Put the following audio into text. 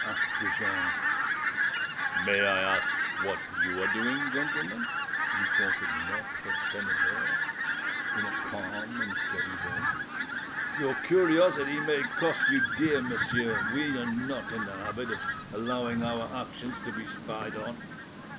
asked de Jars. "May I ask what you are doing, gentlemen?" retorted Maitre Quennebert, in a calm and steady voice. "Your curiosity may cost you dear, monsieur; we are not in the habit of allowing our actions to be spied on."